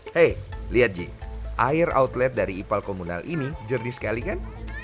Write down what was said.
hei lihat ji air outlet dari ipal komunal ini jernih sekali kan